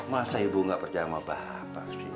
masa ibu gak percaya bapak sih